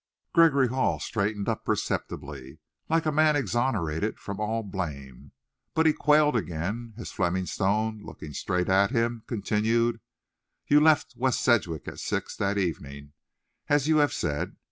Gregory Hall straightened up perceptibly, like a man exonerated from all blame. But he quailed again, as Fleming Stone, looking straight at him, continued: "You left West Sedgwick at six that evening, as you have said.